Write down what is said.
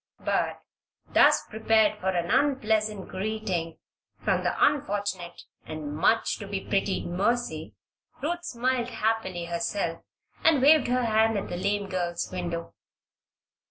But, thus prepared for an unpleasant greeting from, the unfortunate and much to be pitied Mercy, Ruth smiled happily herself and waved her hand at the lame girl's window.